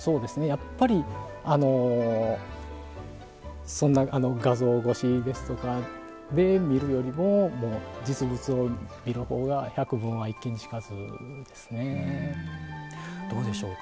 やっぱりそんな画像越しですとかで見るよりも実物を見る方が「百聞は一見にしかず」ですね。どうでしょう？